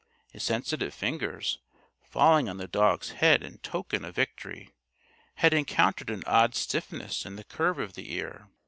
His sensitive fingers, falling on the dog's head in token of victory, had encountered an odd stiffness in the curve of the ear.